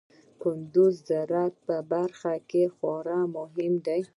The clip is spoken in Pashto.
کندز د زراعت په برخه کې خورا مهم دی.